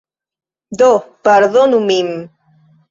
Do, pardonu min.